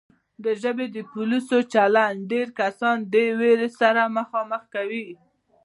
د ژبې د پولیسو چلند ډېر کسان له دې وېرې سره مخامخ کوي